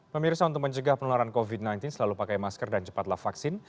pemirsa untuk mencegah penularan covid sembilan belas selalu pakai masker dan cepatlah vaksin